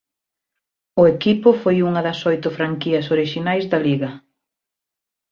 O equipo foi unha das oito franquías orixinais da liga.